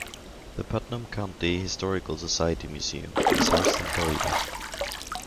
The Putnam County Historical Society Museum is housed in Kalida.